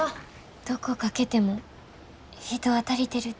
どこかけても人は足りてるて。